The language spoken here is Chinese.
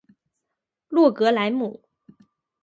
洛格莱姆。